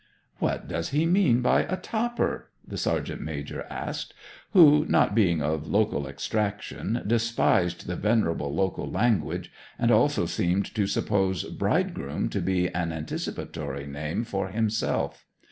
'What does he mean by a "topper,"' the sergeant major asked, who, not being of local extraction, despised the venerable local language, and also seemed to suppose 'bridegroom' to be an anticipatory name for himself.